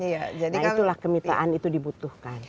nah itulah kemitaan itu dibutuhkan